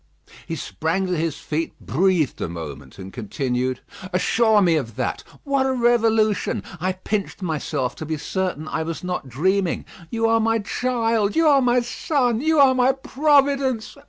He sprang to his feet, breathed a moment, and continued: "Assure me of that. What a revolution! I pinched myself to be certain I was not dreaming. You are my child, you are my son, you are my Providence.